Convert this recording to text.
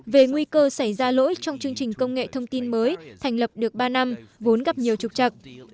về nguy cơ xảy ra lỗi trong chương trình công nghệ thông tin mới thành lập được ba năm vốn gặp nhiều trục trặc